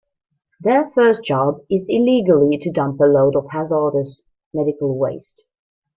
Their first job is illegally to dump a load of hazardous medical waste.